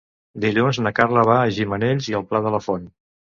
Dilluns na Carla va a Gimenells i el Pla de la Font.